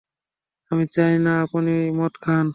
আমি চাইনা আপনি মদ খান।